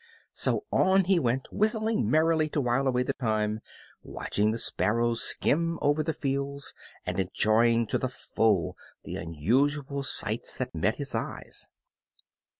So, on he went, whistling merrily to while away the time, watching the sparrows skim over the fields, and enjoying to the full the unusual sights that met his eyes.